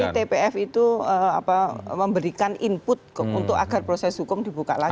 jadi tpf itu memberikan input untuk agar proses hukum dibuka lagi